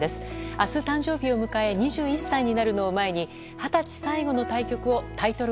明日誕生日を迎え２１歳になるのを前に二十歳最後の対局をタイトル